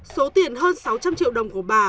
số tiền hơn sáu trăm linh triệu đồng của bà